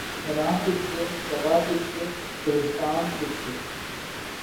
خرام تجھ سے‘ صبا تجھ سے‘ گلستاں تجھ سے